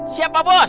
siap pak bos